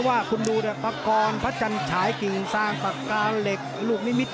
แม้ว่าคุณดูแบบประกอลพระจันตร์ชายกิงสร้างปากกาเหล็กลูกมิมิด